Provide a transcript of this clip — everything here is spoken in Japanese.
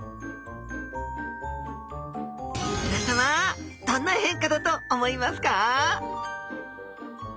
皆さまどんな変化だと思いますか？